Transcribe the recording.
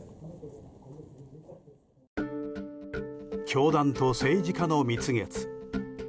教団と政治家の蜜月。